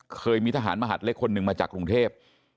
เคยมีทหารมหัดเล็กคนหนึ่งมาจากกรุงเทพ